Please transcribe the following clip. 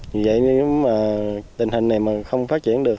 vì vậy nếu mà tình hình này mà không phát triển được